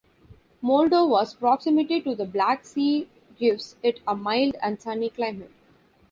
Moldova's proximity to the Black Sea gives it a mild and sunny climate.